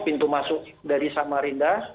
pintu masuk dari samarinda